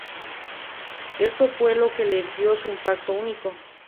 Eso fue lo que le dio su aspecto único.